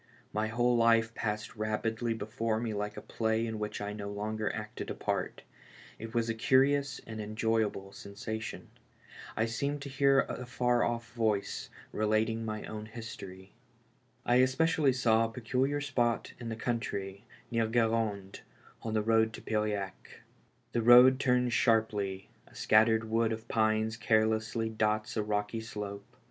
My whole life passed rapidly before me like a play in which I no longer acted a part ; it was a curious and enjoyable sensation — I seemed to hear a far off' voice relating my own history. I especially saw a particular spot in the country near 244 ALIVE IN DEATH. Gu^rande, on the road to Piriac. The road turns sharply, a scattered wood of pines carelessly dots a rocky slope.